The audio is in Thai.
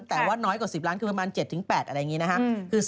แต่ว่าน้อยกว่า๑๐ล้านคือประมาณ๗๘อะไรอย่างนี้นะครับ